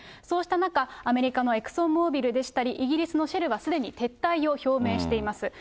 そうした中、アメリカのエクソン・モービルでしたり、イギリスのシェルはすでに撤退を表明しています。